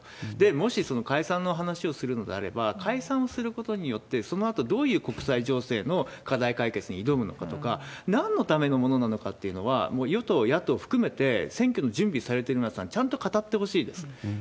もし解散の話をするのであれば、解散をすることによって、そのあとどういう国際情勢の課題解決に挑むのかとか、なんのためのものなのかっていうのは、もう与党、野党含めて、選挙の準備されてる皆さん、ちゃんと語ってほしいです。